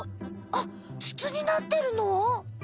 あっつつになってるの？